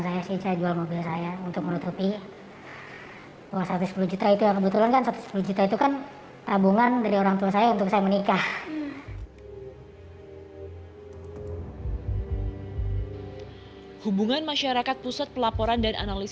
selebihnya itu dalam tiga hari saya menang pun habis uang menangnya modal pun juga habis